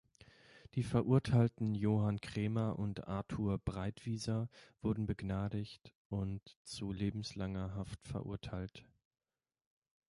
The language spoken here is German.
Die Verurteilten Johann Kremer und Arthur Breitwieser wurden begnadigt und zu lebenslanger Haft verurteilt.